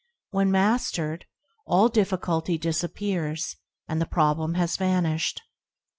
When mastered, all difficulty disap pears, and the problem has vanished.